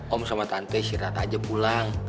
om sama tante istirahat aja pulang